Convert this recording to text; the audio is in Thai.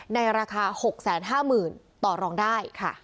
ในราคา๖๕๐๐๐ต่อรองได้ค่ะ